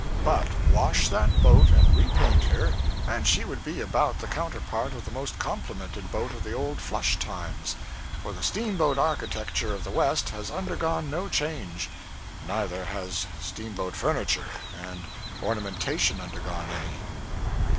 But wash that boat and repaint her, and she would be about the counterpart of the most complimented boat of the old flush times: for the steamboat architecture of the West has undergone no change; neither has steamboat furniture and ornamentation undergone any.